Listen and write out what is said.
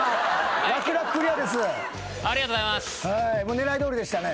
狙いどおりでしたね。